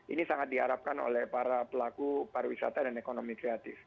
ini sangat diharapkan oleh para pelaku pariwisata dan ekonomi kreatif